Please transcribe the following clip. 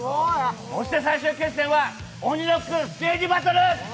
そして最終決戦は鬼ロックステージバトル。